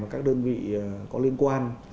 và các đơn vị có liên quan